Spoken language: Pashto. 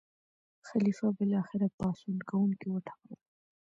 خلیفه بالاخره پاڅون کوونکي وټکول.